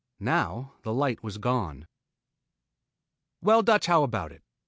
Now the light was gone. "Well, Dutch, how about it?